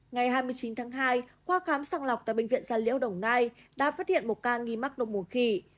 ngày hai mươi chín tháng hai qua khám sàng lọc tại bệnh viện gia liễu đồng nai đã phát hiện một ca nghi mắc động mùa khỉ